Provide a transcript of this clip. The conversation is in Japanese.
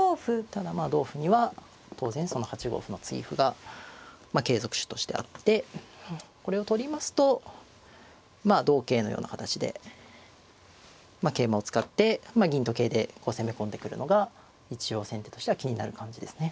ただまあ同歩には当然その８五歩の継ぎ歩が継続手としてあってこれを取りますと同桂のような形で桂馬を使って銀と桂で攻め込んでくるのが一応先手としては気になる感じですね。